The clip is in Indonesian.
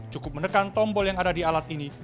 cukup menekan tombol yang ada di alat ini